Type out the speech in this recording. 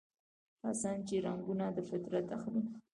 حسن چې رنګونه دفطرت اخلي